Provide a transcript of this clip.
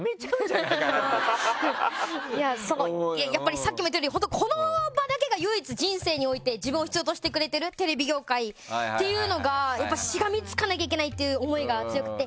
さっきも言ったとおりこの場だけが唯一人生において自分を必要としてくれてるテレビ業界っていうのがやっぱり、しがみつかなきゃいけないという思いが強くて。